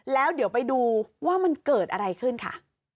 แล้วเดี๋ยวไปดูว่ามันเกิดอะไรขึ้นค่ะ